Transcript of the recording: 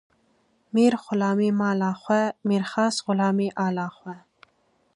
Mêr xulamê mala xwe, mêrxas xulamê ala xwe